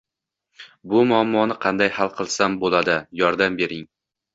Bu muammoni qanday hal qilsam bo‘ladi, yordam bering.